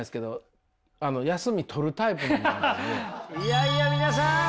いやいや皆さん！